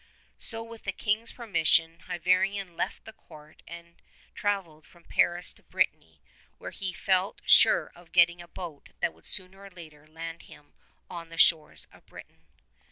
So with the King's permission Hyvarnion left the Court and travelled from Paris to Brittany, where he felt sure of getting a boat that would sooner or later land him on the shores of Britain.